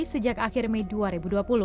sejak akhir mei dua ribu dua puluh